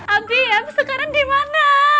abi abis sekarang dimana